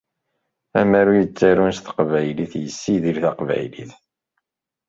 Amaru yettarun s Taqbaylit yessidir Taqbaylit.